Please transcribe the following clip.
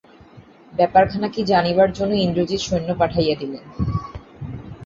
ব্যাপারখানা কী জানিবার জন্য ইন্দ্রজিৎ সৈন্য পাঠাইয়া দিলেন।